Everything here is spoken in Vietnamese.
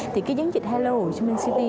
thì cái chiến dịch hello ho chi minh city